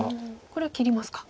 これは切りますか。